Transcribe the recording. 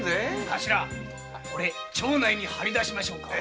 カシラこれ町内に貼り出しましょうか。